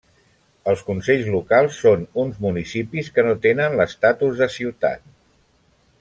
Els consells locals són uns municipis que no tenen l'estatus de ciutat.